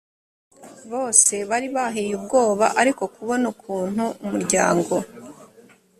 bose bari bahiye ubwoba ariko kubona ukuntu umuryango